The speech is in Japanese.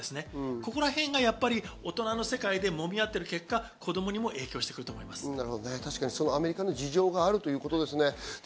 ここらへんが大人の世界でもみ合っている結果、子供にも影響してくるということアメリカの事情があるということですね。